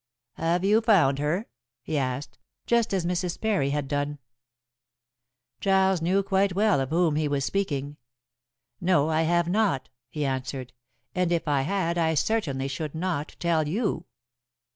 "Have you found her?" he asked, just as Mrs. Parry had done. Giles knew quite well of whom he was speaking. "No, I have not," he answered; "and if I had I certainly should not tell you."